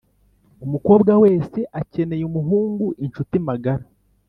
umukobwa wese akeneye umuhungu inshuti magara.